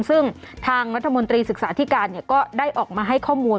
ซึ่งทางรัฐมนตรีศึกษาธิการก็ได้ออกมาให้ข้อมูล